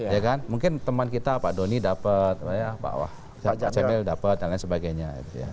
ya kan mungkin teman kita pak doni dapat pak cemil dapat dan lain sebagainya